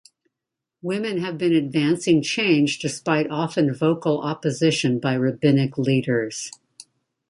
Women have been advancing change despite often vocal opposition by rabbinic leaders.